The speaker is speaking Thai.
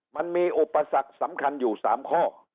มันมีอุปสรรคสำคัญอยู่๓ข้อ